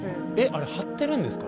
あれ貼ってるんですか？